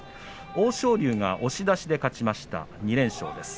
欧勝竜が押し出しで勝ちました２連勝です。